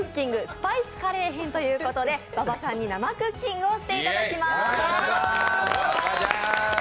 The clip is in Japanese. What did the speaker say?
スパイスカレー編ということで馬場さんに生クッキングをしていただきます。